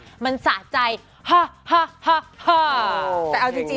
จนสะใจฮ่าฮ่าฮ่าฮ่า